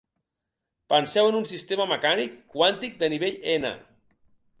Penseu en un sistema mecànic quàntic de nivell n.